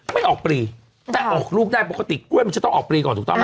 ไม่ออกปลีแต่ออกลูกได้ปกติกล้วยมันจะต้องออกปลีก่อนถูกต้องไหม